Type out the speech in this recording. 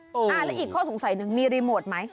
แล้วอีกข้อสงสัยหนึ่งมีรีโมทไหม